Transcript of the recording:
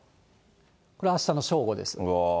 これ、あしたの正午です。